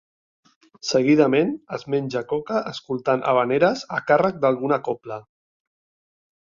Seguidament es menja coca escoltant havaneres a càrrec d'alguna cobla.